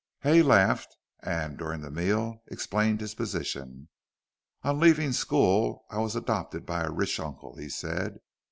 Hay laughed, and, during the meal, explained his position. "On leaving school I was adopted by a rich uncle," he said.